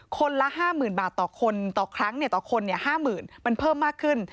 คนละ๕๐๐๐บาทต่อคนต่อครั้งต่อคน๕๐๐๐มันเพิ่มมากขึ้น